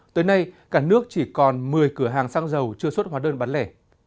tới nay cả nước chỉ còn một mươi cửa hàng sang giàu chưa xuất hóa đơn bán lẻ